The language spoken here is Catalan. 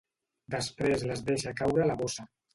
Després les deixa caure a la bossa.